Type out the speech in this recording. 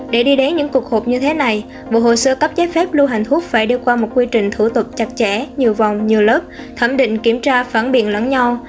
để đi đến những cuộc hộp như thế này bộ hồ sơ cấp giấy phép lưu hành thuốc phải đưa qua một quy trình thủ tục chặt chẽ nhiều vòng nhiều lớp thẩm định kiểm tra phản biện lẫn nhau